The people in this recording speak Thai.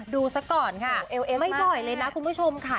ดูสักก่อนค่ะไม่รอยเลยนะคุณผู้ชมค่ะ